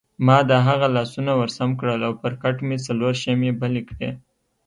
ما د هغه لاسونه ورسم کړل او پر کټ مې څلور شمعې بلې کړې.